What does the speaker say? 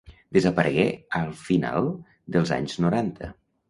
Desaparegué al final dels anys noranta.